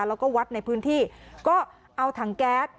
แล้วก็วัดในพื้นที่ก็เอาถังแก๊ส